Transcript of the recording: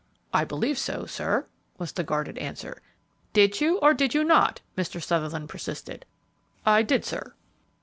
"I believe so, sir," was the guarded answer. "Did you or did you not?" Mr. Sutherland persisted. "I did, sir."